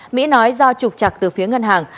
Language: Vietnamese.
mỹ nói do trục chặt từ phía ngân hàng